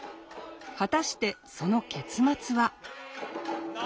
果たしてその結末は。